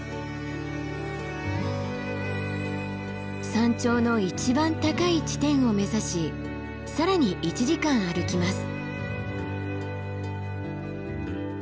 山頂の一番高い地点を目指し更に１時間歩きます。